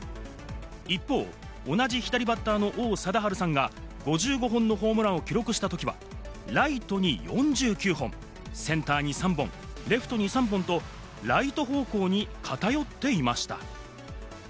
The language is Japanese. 一方、同じ左バッターの王貞治さんが５５本のホームランを記録した時はライトに４９本、センターに３本、レフトに３本とライト方向に偏っていました。